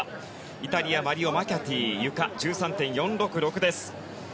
イタリア、マリオ・マキャティゆか、１３．４６６です。